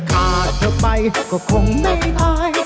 ขาดเธอไปก็คงไม่ได้